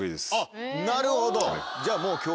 なるほどじゃあもう。